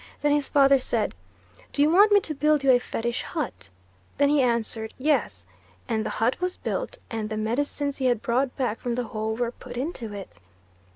Then his father said, 'Do you want me to build you a fetish hut?' Then he answered, 'Yes,' and the hut was built, and the medicines he had brought back from the Hole were put into it.